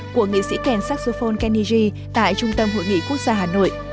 của nghệ sĩ kèn saxophone kenny g tại trung tâm hội nghị quốc gia hà nội